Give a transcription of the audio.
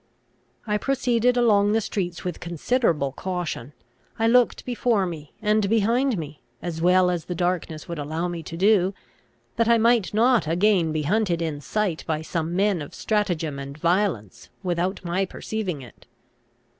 I proceeded along the streets with considerable caution. I looked before me and behind me, as well as the darkness would allow me to do, that I might not again be hunted in sight by some men of stratagem and violence without my perceiving it.